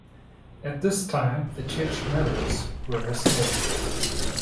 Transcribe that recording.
At this time the church murals were restored.